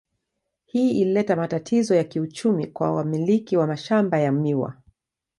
Hii ilileta matatizo ya kiuchumi kwa wamiliki wa mashamba ya miwa.